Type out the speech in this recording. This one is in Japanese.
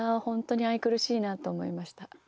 本当に愛くるしいなと思いました。